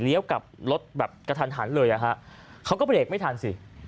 เลี้ยวกับรถแบบกระทันเลยอะฮะเขาก็เปรียกไม่ทันสิ